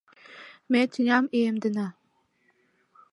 Ме тӱням уэмдена!